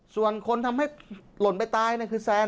ส่วนคนทำให้หล่นไปตายคือแซง